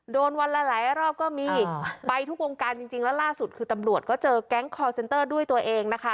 วันละหลายรอบก็มีไปทุกวงการจริงแล้วล่าสุดคือตำรวจก็เจอแก๊งคอร์เซนเตอร์ด้วยตัวเองนะคะ